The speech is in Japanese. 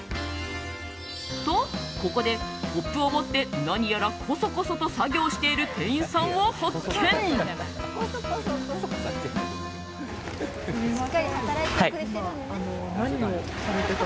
と、ここでポップを持って何やらこそこそと作業をしている店員さんを発見。